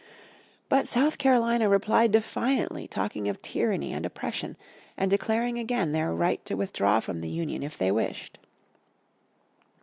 But South Carolina replied defiantly talking of tyranny and oppression, and declaring again their right to withdraw from the Union if they wished.